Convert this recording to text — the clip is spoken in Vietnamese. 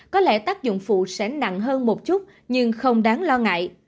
có lẽ tác dụng phụ sẽ nặng hơn một chút nhưng không đáng lo ngại